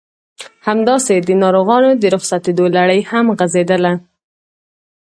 همداسې د ناروغانو د رخصتېدو لړۍ هم غزېدله.